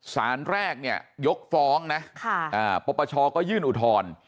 สารแรกเนี่ยยกฟ้องนะปปชก็ยื่นอุทธรณ์